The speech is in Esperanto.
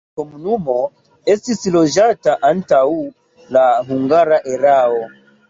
La komunumo estis loĝata antaŭ la hungara erao.